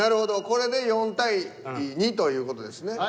これで４対２という事ですね。